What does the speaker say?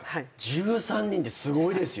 １３人ってすごいですよ！